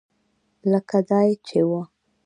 لکه دای چې و.